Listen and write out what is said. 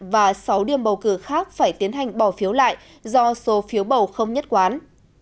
và sáu điểm bầu cử khác phải tiến hành bỏ phiếu lại do số phiếu bầu không nhất quán